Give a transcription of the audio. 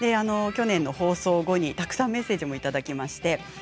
去年の放送後にたくさんメッセージもいただきました。